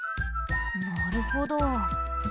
なるほど。